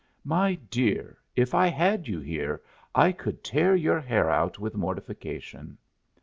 My dear, if I had you here I could tear your hair out with mortification.